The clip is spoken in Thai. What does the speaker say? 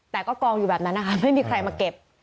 แต่ก็กองอยู่แบบนั้นนะคะไม่มีใครมาเก็บ